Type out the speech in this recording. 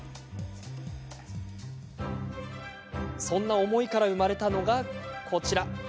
そんな思いから生まれたのがこちら。